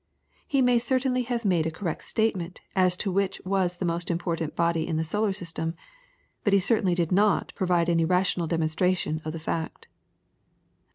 He may certainly have made a correct statement as to which was the most important body in the solar system, but he certainly did not provide any rational demonstration of the fact.